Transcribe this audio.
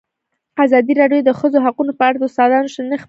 ازادي راډیو د د ښځو حقونه په اړه د استادانو شننې خپرې کړي.